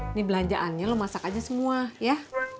ini belanjaannya lo masak aja semua ya